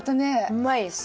うまいです。